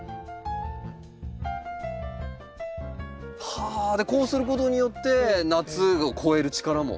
はぁこうすることによって夏を越える力も。